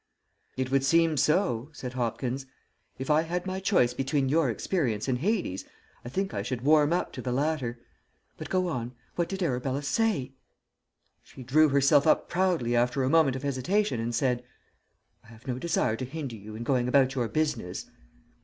"It would seem so," said Hopkins. "If I had my choice between your experience and Hades, I think I should warm up to the latter. But go on. What did Arabella say?" "She drew herself up proudly after a moment of hesitation, and said, 'I have no desire to hinder you in going about your business.'